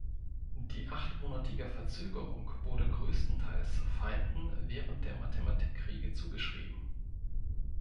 Die achtmonatige Verzögerung wurde größtenteils Feinden während der Mathematikkriege zugeschrieben.